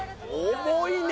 重いね